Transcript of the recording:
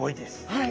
はい。